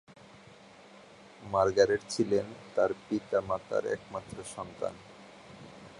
Margaret ছিলেন তার পিতামাতার একমাত্র সন্তান।